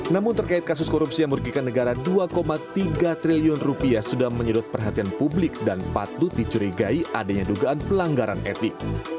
namun terkait kasus korupsi yang merugikan negara dua tiga triliun rupiah sudah menyedot perhatian publik dan patut dicurigai adanya dugaan pelanggaran etik